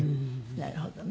なるほどね。